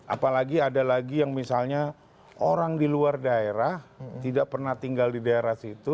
apalagi ada lagi yang misalnya orang di luar daerah tidak pernah tinggal di daerah situ